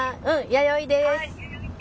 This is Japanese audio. やよいです。